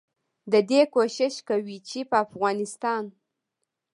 ددې کوشش کوي چې په افغانستان